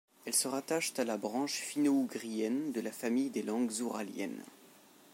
Elles se rattachent à la branche finno-ougrienne de la famille des langues ouraliennes.